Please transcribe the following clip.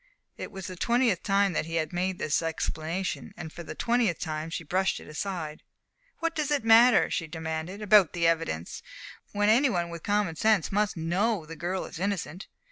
It was the twentieth time that he had made this explanation, and for the twentieth time, she brushed it aside. "What does it matter," she demanded, "about the evidence, when any one with common sense must know the girl is innocent?